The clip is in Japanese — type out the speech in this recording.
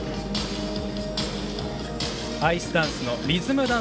アイスダンスのリズム